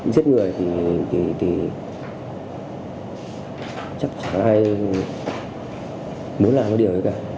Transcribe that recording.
giết người thì chắc chẳng ai muốn làm cái điều ấy cả